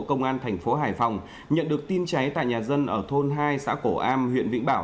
công an thành phố hải phòng nhận được tin cháy tại nhà dân ở thôn hai xã cổ am huyện vĩnh bảo